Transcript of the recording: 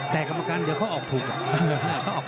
แต่กรรมการเดี๋ยวเขาออกถูก